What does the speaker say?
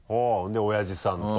でおやじさんと。